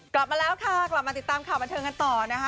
กลับมาแล้วค่ะกลับมาติดตามข่าวบันเทิงกันต่อนะคะ